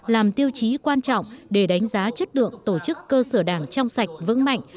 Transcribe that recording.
làm tiêu chí quan trọng để đánh giá chất lượng tổ chức cơ sở đảng trong sạch vững mạnh